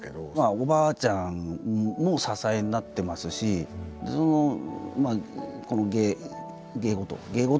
おばあちゃんも支えになってますしこの芸芸事。